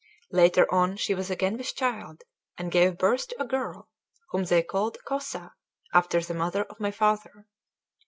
Later on she was again with child, and gave birth to a girl, whom they called Cosa, after the mother of my father.